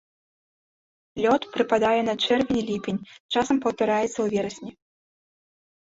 Лёт прыпадае на чэрвень-ліпень, часам паўтараецца ў верасні.